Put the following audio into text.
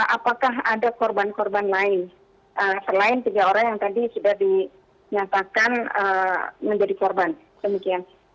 apakah ada korban korban lain selain tiga orang yang tadi sudah dinyatakan menjadi korban demikian